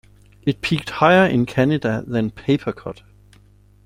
It peaked higher in Canada than "Papercut".